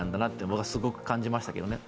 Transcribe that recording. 僕はすごく感じましたけどね。